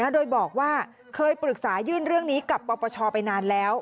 โดยบอกว่าเคยปรึกษายื่นเรื่องนี้กับปปชไปนานแล้ว